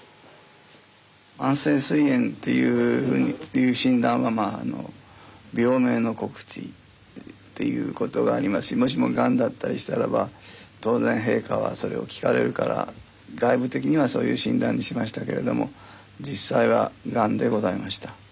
慢性すい炎っていう診断はまああの病名の告知っていうことがありますしもしもガンだったりしたらば当然陛下はそれを聞かれるから外部的にはそういう診断にしましたけれども実際はガンでございました。